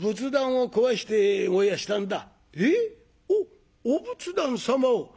おっお仏壇様を？」。